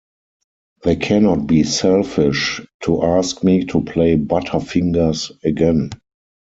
They cannot be selfish to ask me to play Butterfingers again.